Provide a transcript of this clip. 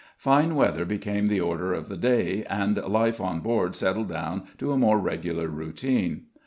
Fine weather became the order of the day and life on board settled down to a more regular routine.